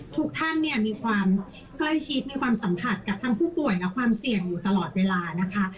ทุกท่านเนี่ยมีความใกล้ชิดมีความสัมผัสกับทั้งผู้ป่วยและความเสี่ยงอยู่ตลอดเวลานะคะ